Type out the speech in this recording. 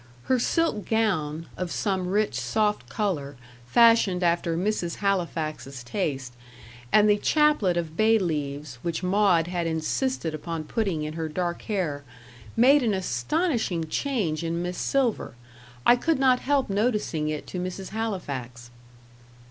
Her silk gown, of some rich soft colour, fashioned after Mrs. Halifax's taste, and the chaplet of bay leaves, which Maud had insisted upon putting in her dark hair, made an astonishing change in Miss Silver. I could not help noticing it to Mrs. Halifax.